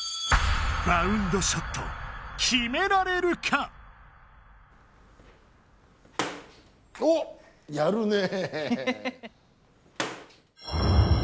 バウンドショットきめられるか⁉おっやるねえ。